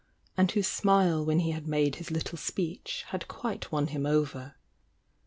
THE YOUNG DIAXA 140 and whose smile when he had made his little speech had quite won him over.